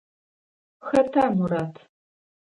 Хэта Мурат?